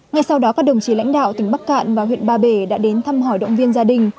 ngay sau đó các đồng chí lãnh đạo tỉnh bắc cạn và huyện ba bể đã đến thăm hỏi động viên gia đình